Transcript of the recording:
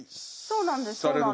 そうなんです。